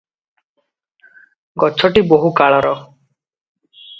ଗଛଟି ବହୁକାଳର ।